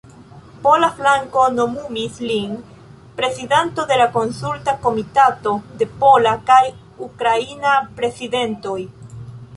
Pola flanko nomumis lin prezidanto de la Konsulta Komitato de Pola kaj Ukraina Prezidentoj.